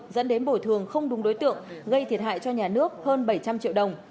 dẫn đến bồi thường không đúng đối tượng gây thiệt hại cho nhà nước hơn bảy trăm linh triệu đồng